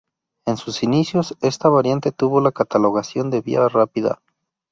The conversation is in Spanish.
En sus inicios, esta variante tuvo la catalogación de Vía rápida.